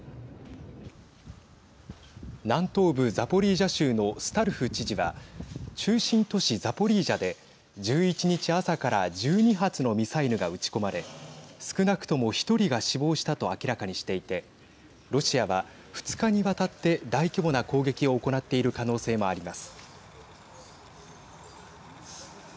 南東部ザポリージャ州のスタルフ知事は中心都市ザポリージャで１１日朝から１２発のミサイルが撃ち込まれ少なくとも１人が死亡したと明らかにしていてロシアは２日にわたって大規模な攻撃を行っている可能性もあります。